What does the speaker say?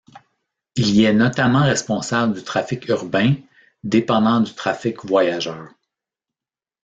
Il y est notamment responsable du trafic urbain, dépendant du trafic voyageurs.